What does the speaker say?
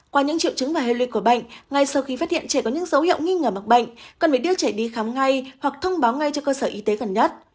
qua những triệu chứng và hệ lụy của bệnh ngay sau khi phát hiện trẻ có những dấu hiệu nghi ngờ mắc bệnh cần phải đưa trẻ đi khám ngay hoặc thông báo ngay cho cơ sở y tế gần nhất